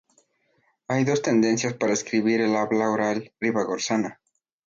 Hay dos tendencias para escribir el habla oral ribagorzana.